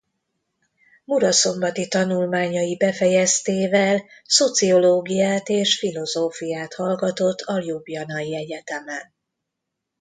Muraszombati tanulmányai befejeztével szociológiát és filozófiát hallgatott a Ljubljanai Egyetemen.